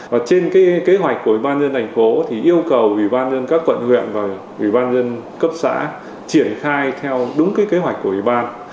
và trên cái kế hoạch của ủy ban nhân thành phố thì yêu cầu ủy ban dân các quận huyện và ủy ban dân cấp xã triển khai theo đúng cái kế hoạch của ủy ban